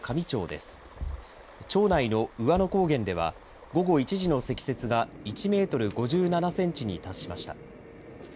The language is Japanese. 町内の兎和野高原では午後１時の積雪が１メートル５７センチに達しました。